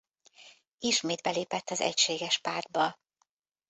Ismét belépett az Egységes Pártba.